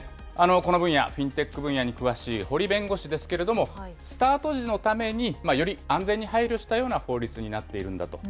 この分野、フィンテック分野に詳しい堀弁護士ですけれども、スタート時のためにより安全に配慮したような法律になっているんだと。